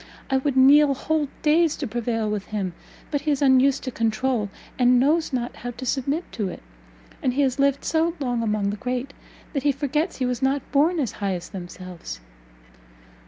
I would kneel whole days to prevail with him, but he is unused to controul, and knows not how to submit to it; and he has lived so long among the great, that he forgets he was not born as high as themselves.